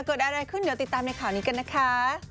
เกิดอะไรขึ้นเดี๋ยวติดตามในข่าวนี้กันนะคะ